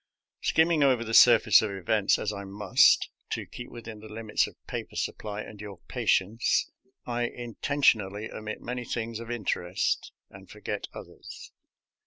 Skim ming over the surface of events — ^as I must, to keep within the limits of paper supply and your patience — I intentionally omit many things of interest and forget others.